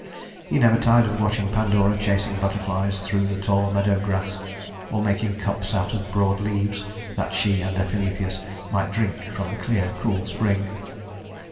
He never tired of watching Pandora chasing butterflies through the tall meadow grass, or making cups out of broad leaves, that she and Epimetheus might drink from the clear, cool spring.